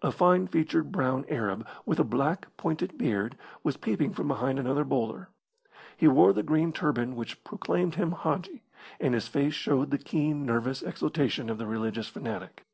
A fine featured brown Arab, with a black, pointed beard, was peeping from behind another boulder. He wore the green turban which proclaimed him hadji, and his face showed the keen, nervous exultation of the religious fanatic.